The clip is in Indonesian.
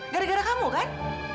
gara gara kamu kan